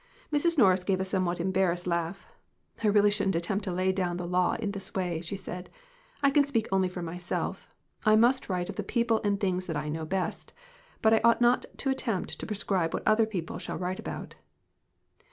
Mrs. Norris gave a somewhat embarrassed laugh. "I really shouldn't attempt to lay down the law in this way," she said. "I can speak only for myself I must write of the people and things that I know best, but I ought not to attempt to prescribe what other people shall write about."